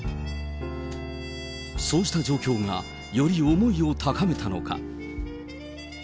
そうした状況がより思いを高めたのか。